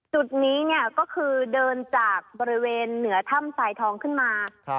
จุดนี้เนี่ยก็คือเดินจากบริเวณเหนือถ้ำสายทองขึ้นมา